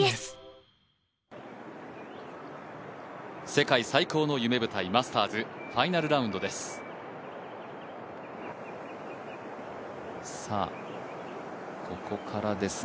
世界最高の夢舞台マスターズファイナルラウンドです。